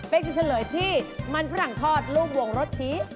เป็นจะเฉลยที่มันฝรั่งทอดลูกวงรสชีส